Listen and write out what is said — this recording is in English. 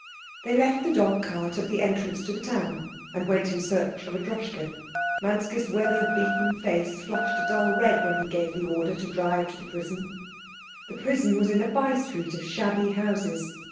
They left the dog cart at the entrance to the town and went in search of a Droschke. Manske's weather beaten face flushed a dull red when he gave the order to drive to the prison. The prison was in a by street of shabby houses.